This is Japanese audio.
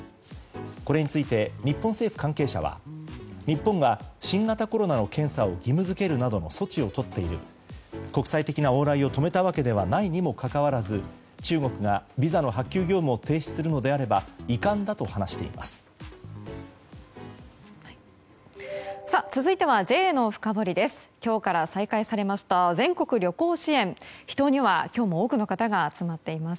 これについて日本政府関係者は日本が新型コロナの検査を義務付けるなどの措置をとっている国際的な往来を止めたわけではないにもかかわらず中国がビザの発給業務を停止するのであれば遺憾だと話しています。